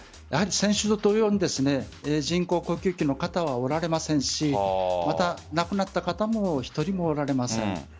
やはり先週と同様に人工呼吸器の方はおられませんし亡くなった方も１人もおられません。